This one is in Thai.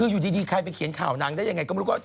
อยู่ดีใครไปเขียนข่าวนางได้ยังไง